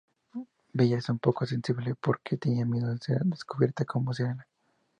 Bella es un poco sensible, porque tiene miedo a ser descubierta como sirena.